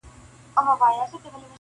• هیله پوره د مخلص هره سي چي..